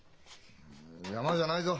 山じゃないぞ。